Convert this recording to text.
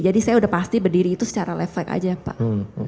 jadi saya udah pasti berdiri itu secara leflek aja ya pak